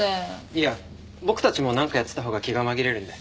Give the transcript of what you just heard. いや僕たちもなんかやってたほうが気が紛れるんで。